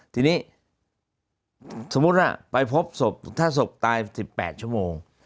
ทีนี้สมมุติว่าไปพบศพถ้าศพตาย๑๘ชั่วโมง